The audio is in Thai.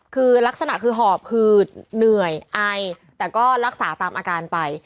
คือลักษณะคือหอบคือเหนื่อยไอแต่ก็รักษาตามอาการไป